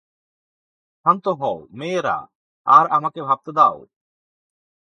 শান্ত হও, মেয়েরা, আর আমাকে ভাবতে দাও।